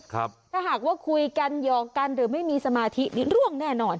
ถ้าหากว่าคุยกันหยอกกันหรือไม่มีสมาธินี่ร่วงแน่นอน